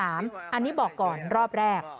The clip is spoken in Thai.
อันนี้บอกก่อนรอบแรก